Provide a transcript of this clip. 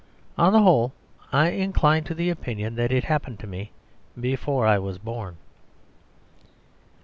On the whole, I incline to the opinion that it happened to me before I was born.